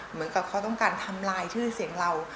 เหมือนกับเขาต้องการทำลายชื่อเสียงเรา